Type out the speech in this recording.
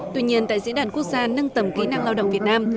tuy nhiên tại diễn đàn quốc gia nâng tầm kỹ năng lao động việt nam